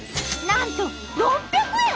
なんと６００円！